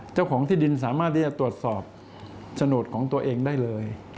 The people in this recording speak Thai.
เจ้าของที่ดินสามารถที่จะตรวจสอบโฉนดของตัวเองได้เลย